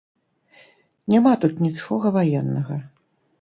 Няма тут нічога ваеннага!